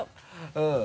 うん。